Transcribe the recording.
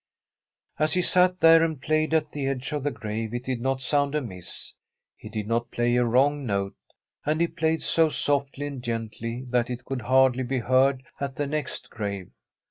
As he sat there and played at the edge of the g^ave it did not sound amiss; he did not play a wrong note, and he played so softly and gently that it could hardly be heard at the next grave.